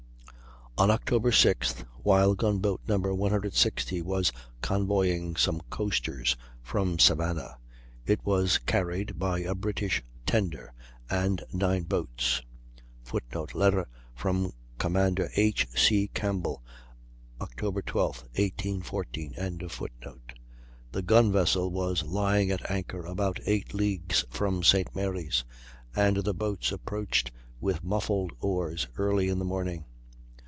On October 6th, while Gun boat No. 160 was convoying some coasters from Savannah, it was carried by a British tender and nine boats. [Footnote: Letter from Commander H. C. Campbell, Oct. 12, 1814.] The gun vessel was lying at anchor about eight leagues from St. Mary's, and the boats approached with muffled oars early in the morning.